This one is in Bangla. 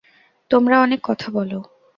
তোমরা অনেক কথা বলো।